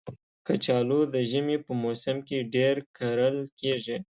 کچالو د ژمي په موسم کې ډېر کرل کېږي